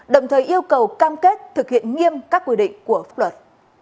đồng thời yêu cầu cam kết thực hiện nghiêm các quy định của pháp luật